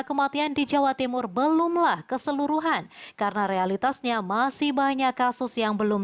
kematian di jawa timur belumlah keseluruhan karena realitasnya masih banyak kasus yang belum